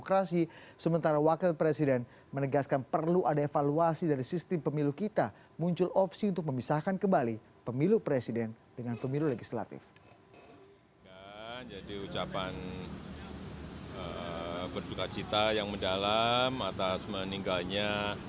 ketua tps sembilan desa gondorio ini diduga meninggal akibat penghitungan suara selama dua hari lamanya